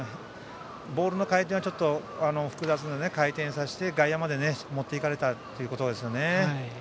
ボールの回転はちょっと複雑なので、回転させて外野まで持ってかれたということですね。